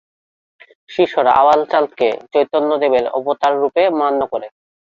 শিষ্যরা আউলচাঁদকে চৈতন্যদেবের অবতাররূপে মান্য করে।